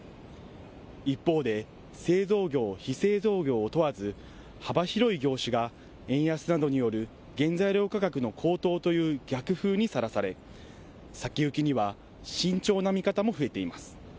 一方で製造業、非製造業を問わず幅広い業種が円安などによる原材料価格の高騰という逆風にさらされ先行きには慎重な見方も増えています。